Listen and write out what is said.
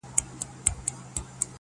یو څو غمازي سترګي مي لیدلي دي په شپه کي-